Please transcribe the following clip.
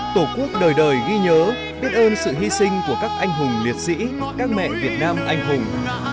tổ quốc đời đời ghi nhớ biết ơn sự hy sinh của các anh hùng liệt sĩ các mẹ việt nam anh hùng